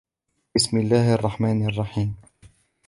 بِسْمِ اللَّـهِ الرَّحْمَـٰنِ الرَّحِيمِ